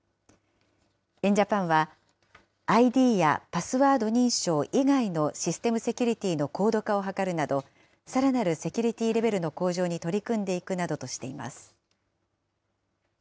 エン・ジャパンは、ＩＤやパスワード認証以外のシステムセキュリティーの高度化を図るなど、さらなるセキュリティーレベルの向上に取り組んでいくなどとしています。